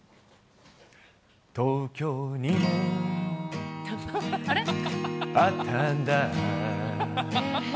東京にもあったんだ。